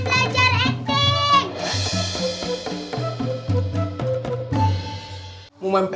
aku bukan hantu